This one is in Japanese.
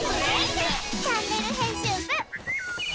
「チャンネル編集部」！